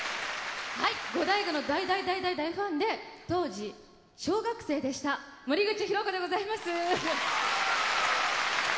はいゴダイゴの大大大大大ファンで当時小学生でした森口博子でございます。